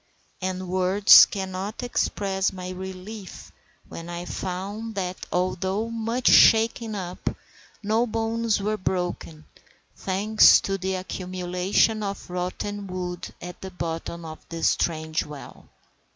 And words cannot express my relief when I found that, although much shaken up, no bones were broken, thanks to the accumulation of rotten wood at the bottom of this strange well.